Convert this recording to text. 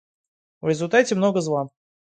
В результате много зла.